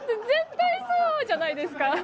絶対そうじゃないですか。